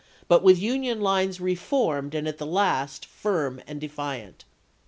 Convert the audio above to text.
but with the Union lines re formed and at the last firm and defiant.